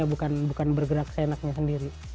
karena koreonya bukan bergerak senaknya sendiri